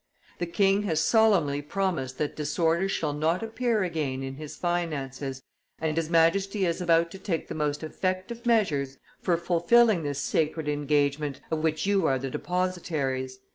"The king has solemnly promised that disorder shall not appear again in his finances, and his Majesty is about to take the most effective measures for fulfilling this sacred engagement, of which you are the depositaries.